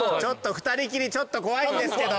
２人きりちょっと怖いんですけど。